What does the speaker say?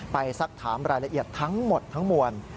สักถามรายละเอียดทั้งหมดทั้งมวล